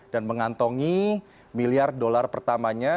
dan mengantongi miliar dolar pertamanya